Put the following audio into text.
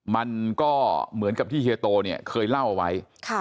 มันก็เหมือนกับที่เฮียโตเนี่ยเคยเล่าเอาไว้